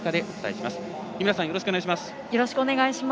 よろしくお願いします。